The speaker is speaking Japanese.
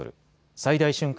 最大瞬間